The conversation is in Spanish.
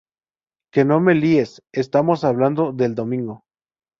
¡Qué no me líes! Estamos hablando del domingo.